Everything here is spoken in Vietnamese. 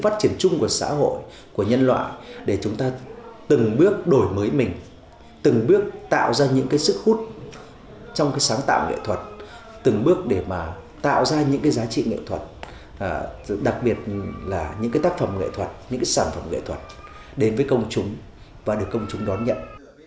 trong sáng tạo nghệ thuật từng bước để tạo ra những giá trị nghệ thuật đặc biệt là những tác phẩm nghệ thuật những sản phẩm nghệ thuật đến với công chúng và được công chúng đón nhận